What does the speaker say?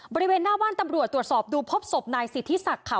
บริเวณหน้าบ้านตำรวจตรวจสอบดูพบศพนายสิทธิศักดิ์ค่ะ